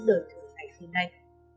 đời thường ngày hôm nay